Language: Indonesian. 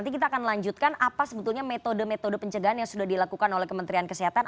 nanti kita akan lanjutkan apa sebetulnya metode metode pencegahan yang sudah dilakukan oleh kementerian kesehatan